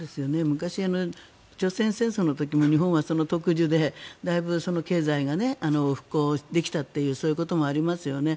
昔、朝鮮戦争の時も日本はその特需で経済が復興できたというそういうこともありますよね。